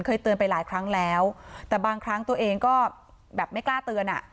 เคยเตือนไปหลายครั้งแล้วแต่บางครั้งตัวเองก็แบบไม่กล้าเตือนอ่ะ